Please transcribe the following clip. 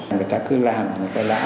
người ta cứ làm người ta lã